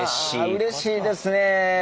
うれしいですね！